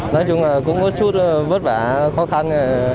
nói chung là cũng có chút vất vả khó khăn